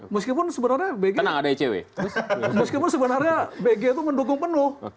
meskipun sebenarnya bg itu mendukung penuh